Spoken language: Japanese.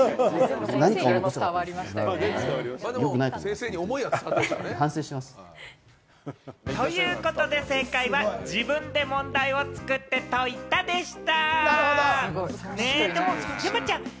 正解はこちら！ということで、正解は自分で問題を作って、解いたでした！